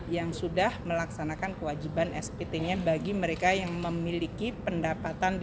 yang sudah melaksanakan kewajiban spt nya bagi mereka yang memiliki pendapatan